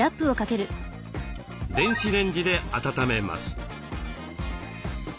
電子レンジで温めます。